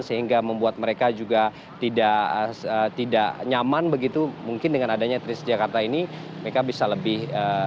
sehingga membuat mereka juga tidak nyaman begitu mungkin dengan adanya transjakarta ini mereka bisa lebih hemat dan lebih terbantu